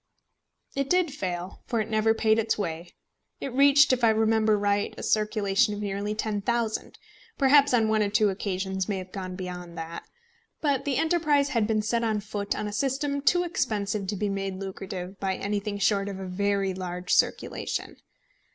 It did fail, for it never paid its way. It reached, if I remember right, a circulation of nearly 10,000 perhaps on one or two occasions may have gone beyond that. But the enterprise had been set on foot on a system too expensive to be made lucrative by anything short of a very large circulation.